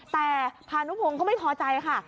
แต่พานุพงศ์ก็ไม่พอใจค่ะ